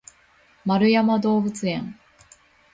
円山動物園